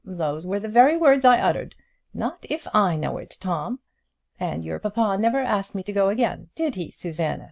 Those were the very words I uttered: 'Not if I know it, Tom!' And your papa never asked me to go again did he, Susanna?